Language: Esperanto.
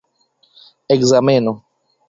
ekzameno